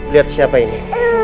lihat siapa ini